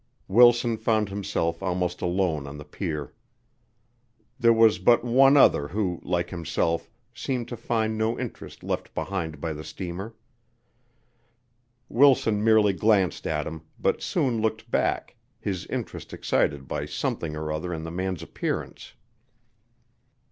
Wilson found himself almost alone on the pier. There was but one other who, like himself, seemed to find no interest left behind by the steamer. Wilson merely glanced at him, but soon looked back, his interest excited by something or other in the man's appearance.